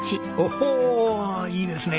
おおいいですねえ。